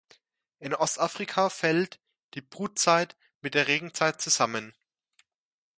In Ostafrika fällt die Brutzeit mit der Regenzeit zusammen.